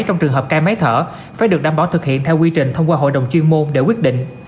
trong trường hợp cai máy thở phải được đảm bảo thực hiện theo quy trình thông qua hội đồng chuyên môn để quyết định